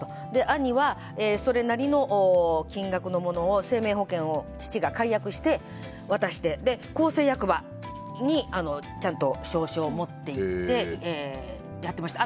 兄は、それなりの金額のものを生命保険を父が解約して渡して公正役場にちゃんと証書を持っていててやってました。